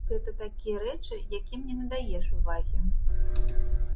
Гэта такія рэчы, якім не надаеш увагі.